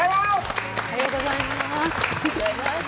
おはようございます。